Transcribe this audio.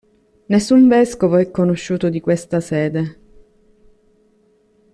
Nessun vescovo è conosciuto di questa sede.